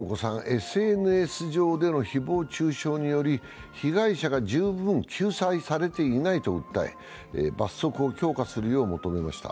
響子さん、ＳＮＳ上での誹謗中傷により被害者が十分救済されていないと訴え、罰則を強化するよう求めました。